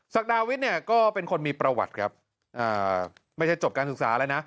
ดาวิทย์เนี่ยก็เป็นคนมีประวัติครับไม่ใช่จบการศึกษาแล้วนะ